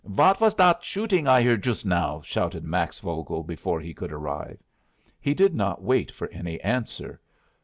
"What vas dat shooting I hear joost now?" shouted Max Vogel, before he could arrive. He did not wait for any answer.